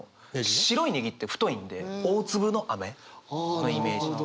白い葱って太いんで大粒の雨のイメージ。